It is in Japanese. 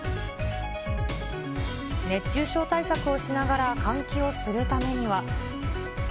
熱中症対策をしながら、換気をするためには。